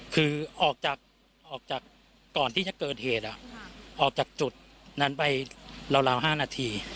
คือออกจากก่อนที่จะเกิดเหตุอ่ะออกจากจุดนั้นไปราวห้านาที